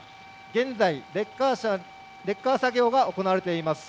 現在、レッカー作業が行われています。